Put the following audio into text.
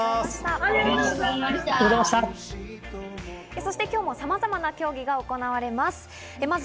そして今日もさまざまな競技、行われます。